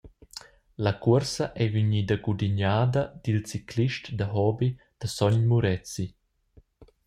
La cuorsa ei vegnida gudignada dil ciclist da hobi da Sogn Murezi.